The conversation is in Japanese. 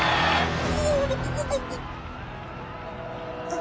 あ。